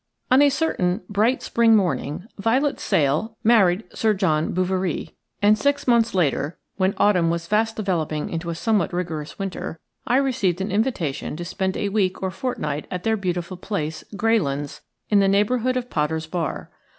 N a certain bright spring morning Violet Sale married Sir John Bouverie, and six months later, when autumn was fast developing into a somewhat rigorous winter, I received an invitation to spend a week or fortnight at their beautiful place, Greylands, in the neighbourhood of Potter's Bar.